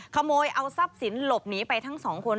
ขโมยเอาซับสินหลบหนีไปทั้ง๒คน